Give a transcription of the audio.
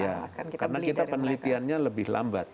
ya karena kita penelitiannya lebih lambat